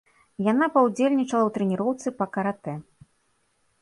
Яна паўдзельнічала ў трэніроўцы па каратэ.